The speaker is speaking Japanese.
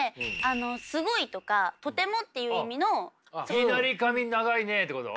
いぎなり髪長いねってこと？